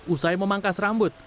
usai memangkas rambut